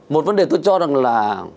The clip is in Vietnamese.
một vấn đề tôi cho rằng là